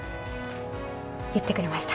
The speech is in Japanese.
言ってくれました。